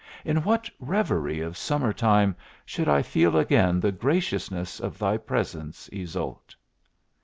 In what reverie of summer time should I feel again the graciousness of thy presence, Yseult?